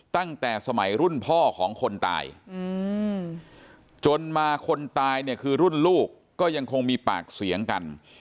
ตั้งแต่สมัยรุ่นพ่อของคนตายจนมาคนตายเนี่ยคือรุ่นลูกก็ยังคงมีปากเสียงกัน